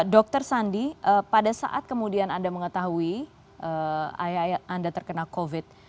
dokter sandi pada saat kemudian anda mengetahui ayat ayat anda terkena covid